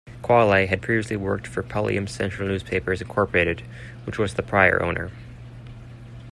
Quayle had previously worked for Pulliam's Central Newspapers, Incorporated which was the prior owner.